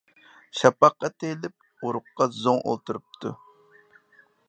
شاپاققا تېيىلىپ، ئۇرۇققا زوڭ ئولتۇرۇپتۇ.